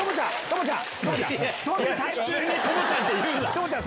トモちゃん